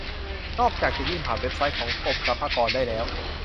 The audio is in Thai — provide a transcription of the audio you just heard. นอกจากจะยื่นผ่านเว็บไซต์ของกรมสรรพากรได้แล้ว